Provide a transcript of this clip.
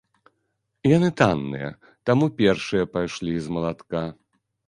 Яны танныя, таму першыя пайшлі з малатка.